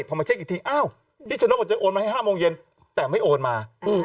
พอมาเช็คอีกทีอ้าวพิชนกอาจจะโอนมาให้๕โมงเย็นแต่ไม่โอนมา